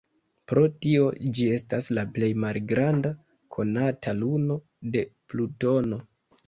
Pro tio, ĝi estas la plej malgranda konata luno de Plutono.